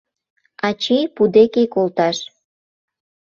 Ачий пу деке колташ».